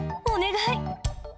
お願い。